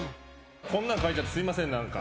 こんなの書いちゃってすみません、何か。